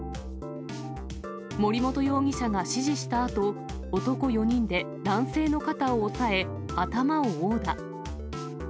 森本容疑者が指示したあと、男４人で男性の肩を押さえ、頭を殴打。